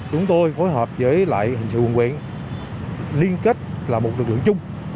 chúng tôi phối hợp với lại hình sự quân quyền liên kết là một lực lượng chung